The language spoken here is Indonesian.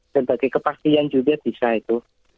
sebagai kepastian juga bisa itu